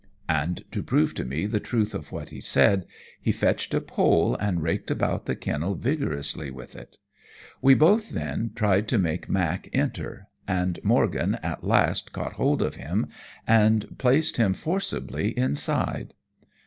And to prove to me the truth of what he said, he fetched a pole and raked about the kennel vigorously with it. We both, then, tried to make Mack enter, and Morgan at last caught hold of him and placed him forcibly inside.